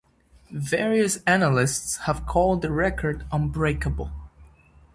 Various analysts have called the record unbreakable.